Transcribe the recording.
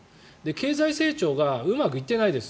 経済成長がうまくいっていないです。